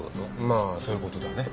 まあそういうことだね。